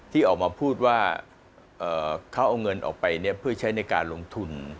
ที่ออกมาพูดว่าเขาเอาเงินออกไปเพื่อใช้ในการลงทุน